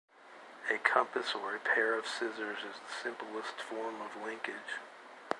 A compass or a pair of scissors is the simplest form of linkage.